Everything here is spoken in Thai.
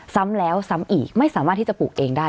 ซ้ำแล้วซ้ำอีกไม่สามารถที่จะปลูกเองได้